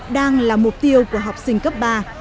đang là mục tiêu của học sinh cấp ba